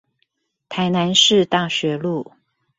台南市大學路